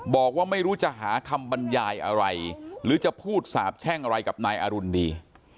บอกว่าไม่รู้จะหาคำบรรยายอะไรหรือจะพูดสาบแช่งอะไรกับนายอรุณดี